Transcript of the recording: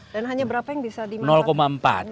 dan hanya berapa yang bisa dimanfaatkan